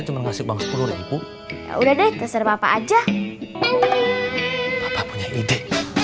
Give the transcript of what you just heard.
cuman kasih uang sepuluh udah deh terserah papa aja papa punya ide